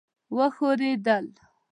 وښورېدل.